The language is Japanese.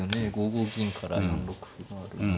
５五銀から４六歩があるので。